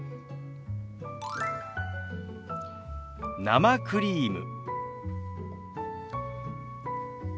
「生クリーム」。